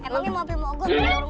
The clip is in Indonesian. emangnya mau pembawa uang